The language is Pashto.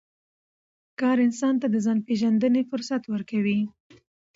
کار انسان ته د ځان د پېژندنې فرصت ورکوي